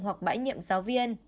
hoặc bãi nhiệm giáo viên